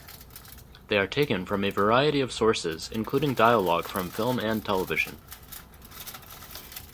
They are taken from a variety of sources including dialogue from film and television.